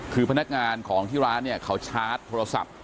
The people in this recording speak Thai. คือพนักงานของที่ร้านเนี่ยเขาชาร์จโทรศัพท์